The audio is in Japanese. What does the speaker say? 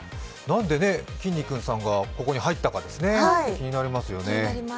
なんで、きんに君さんがここに入ったか、気になりますよね。